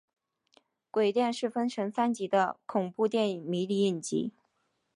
鬼店是分成三集的恐怖电视迷你影集。